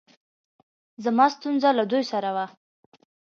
زما ستونره له دوی سره وه